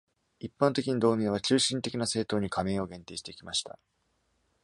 一般的に、同盟は急進的な政党に加盟を限定してきました。